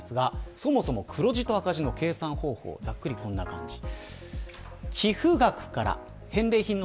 そもそも黒字と赤字の計算方法はざっくりとこんな感じです。